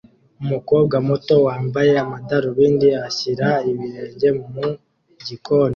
Umukobwa muto wambaye amadarubindi ashyira ibirenge mu gikoni